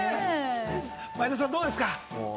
前田さん、どうですか？